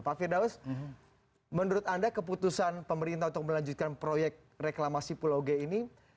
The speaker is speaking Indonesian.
pak firdaus menurut anda keputusan pemerintah untuk melanjutkan proyek reklamasi pulau g ini